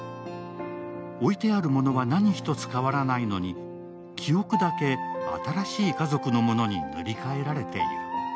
置いてあるものは何一つ変わらないのに、記憶だけ新しい家族のものに塗り替えられている。